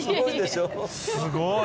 すごい！